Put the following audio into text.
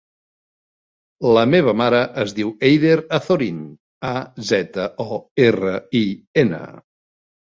La meva mare es diu Eider Azorin: a, zeta, o, erra, i, ena.